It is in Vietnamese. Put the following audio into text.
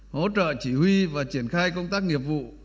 hỗ trợ chỉ huy và triển khai công tác nghiệp vụ